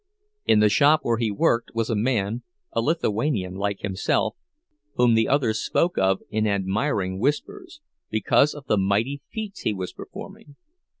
In the shop where he worked was a man, a Lithuanian like himself, whom the others spoke of in admiring whispers, because of the mighty feats he was performing.